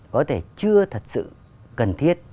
có thể chưa thật sự cần thiết